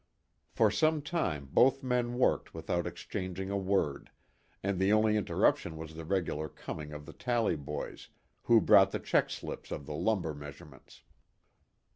For some time both men worked without exchanging a word, and the only interruption was the regular coming of the tally boys, who brought the check slips of the lumber measurements.